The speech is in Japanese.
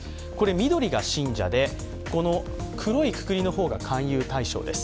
緑が信者で、黒いくくりの方が勧誘対象です。